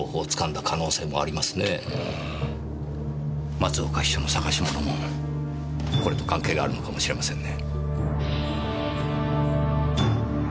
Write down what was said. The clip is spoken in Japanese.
松岡秘書の探し物もこれと関係があるのかもしれませんね。